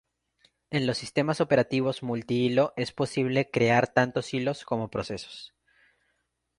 En los sistemas operativos multihilo es posible crear tanto hilos como procesos.